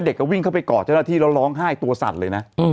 วิ่งเข้าไปกอดเจ้าหน้าที่แล้วร้องไห้ตัวสั่นเลยนะ